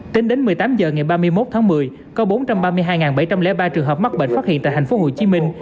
tính đến một mươi tám h ngày ba mươi một tháng một mươi có bốn trăm ba mươi hai bảy trăm linh ba trường hợp mắc bệnh phát hiện tại thành phố hồ chí minh